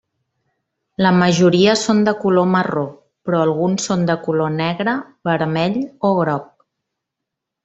La majoria són de color marró, però alguns són de color negre, vermell o groc.